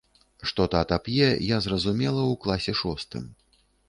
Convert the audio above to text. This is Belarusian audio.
Што тата п'е, я зразумела ў класе шостым.